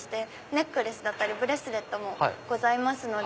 ネックレスだったりブレスレットもございますので。